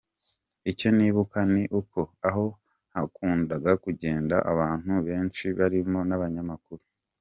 Icyo nibuka ni uko aho hakundaga kugenda abantu benshi barimo n’abanyamakuru.